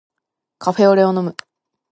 カフェオレを飲む